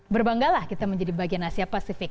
berbangga lah kita menjadi bagian asia pasifik